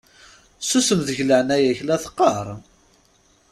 Susem deg leɛnaya-k la teqqaṛ!